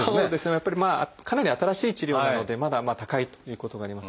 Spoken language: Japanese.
やっぱりかなり新しい治療なのでまだ高いということがあります。